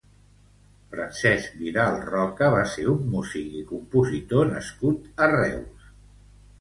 Francesc Vidal Roca va ser un músic i compositor nascut a Reus.